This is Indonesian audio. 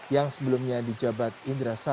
yang sebelumnya di jabat indra sai